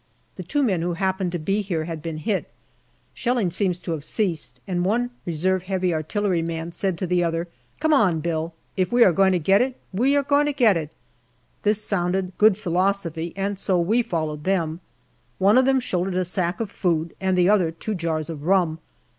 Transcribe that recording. The two men who happened to be here had been hit. Shelling seems to have ceased, and one R.H.A. man said to the other, " Come on, Bill ; if we are going to get 'it, we are going to get 'it !" This sounded good philosophy, and so we followed them. One of them shouldered a sack of food, and the other two jars of rum.